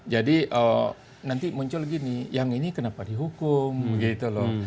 jadi nanti muncul gini yang ini kenapa dihukum begitu loh